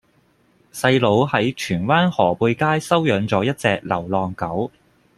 細佬喺荃灣河背街收養左一隻流浪狗